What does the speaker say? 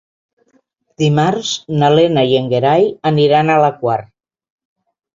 Dimarts na Lena i en Gerai aniran a la Quar.